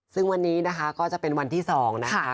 ซึ่งวันนี้นะคะก็จะเป็นวันที่๒นะคะ